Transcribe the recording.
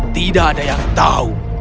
tidak ada yang tahu